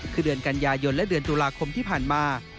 คือเดือนกันยายนและเดือนตุลาคมที่ผ่านมา